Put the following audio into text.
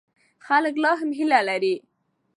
خلک لا هم هیله لري.